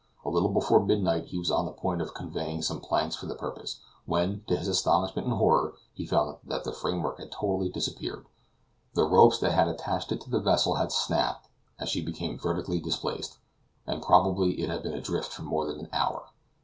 A little before midnight he was on the point of conveying some planks for this purpose, when, to his astonishment and horror, he found that the framework had totally disappeared. The ropes that had attached it to the vessel had snapped as she became vertically displaced, and probably it had been adrift for more than an hour.